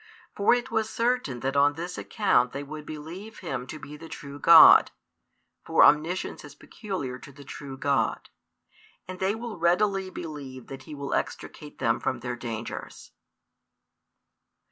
For it was certain that on this account they would believe Him to be the true God (for omniscience is peculiar to the true God), and they will readily believe that He will extricate them from their dangers.